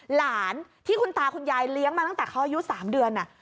หลานที่คุณตาคุณยายเลี้ยงมาตั้งแต่เขาอายุ๓เดือน